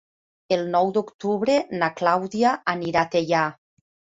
El nou d'octubre na Clàudia anirà a Teià.